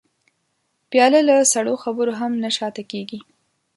پیاله له سړو خبرو هم نه شا ته کېږي.